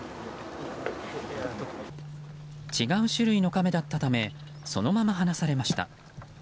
違う種類のカメだったためそのまま放されました。